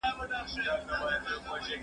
کېدای سي بازار ګڼه وي؟